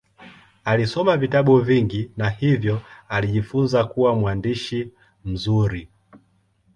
Alisoma vitabu vingi na hivyo alijifunza kuwa mwandishi mzuri.